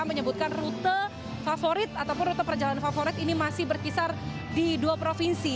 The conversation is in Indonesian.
menyebutkan rute favorit ataupun rute perjalanan favorit ini masih berkisar di dua provinsi